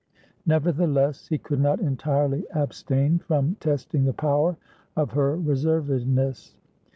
Nevertheless, he could not entirely abstain from testing the power of her reservedness.